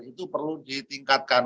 itu perlu ditingkatkan